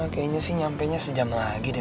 kayaknya sih nyampainya sejam lagi den